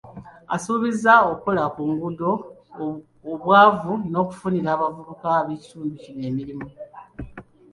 Asuubizza okukola ku nguudo, obwavu n'okufunira abavubuka b'ekitundu kino emirimu.